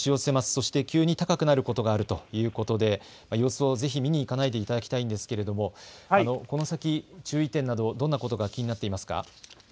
そして急に高くなることがあるということで様子をぜひ見に行かないでいただきたいのですがこの先、注意点などどんなことが気になっていますか。